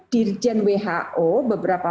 dirjen who beberapa